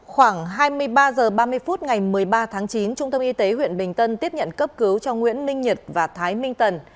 khoảng hai mươi ba h ba mươi phút ngày một mươi ba tháng chín trung tâm y tế huyện bình tân tiếp nhận cấp cứu cho nguyễn minh nhật và thái minh tần